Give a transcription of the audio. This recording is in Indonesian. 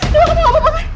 dewa kau tahu apa apa kan